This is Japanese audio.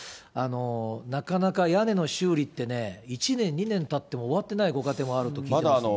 なかなか屋根の修理ってね、１年、２年たっても終わってないご家庭もあると聞いてますので。